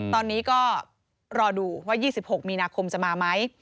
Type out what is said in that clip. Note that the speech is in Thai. ตอนนี้ก็รอดูว่า๒๖มีนาคมจะมาไหม